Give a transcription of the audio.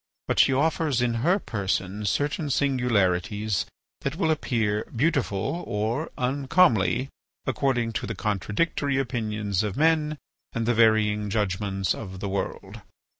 But she offers in her person certain singularities that will appear beautiful or uncomely according to the contradictory opinions of men and the varying judgments of the world.